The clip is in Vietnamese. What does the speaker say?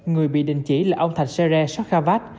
người bị định chỉ là ông thạch xe re sokha vát